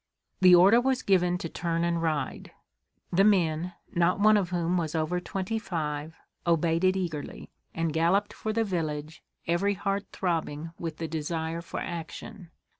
The order was given to turn and ride. The "men," not one of whom was over twenty five, obeyed it eagerly, and galloped for the village, every heart throbbing with the desire for action.